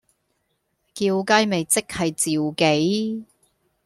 叫雞咪即係召妓